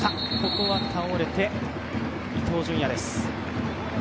ここは倒れて伊東純也です。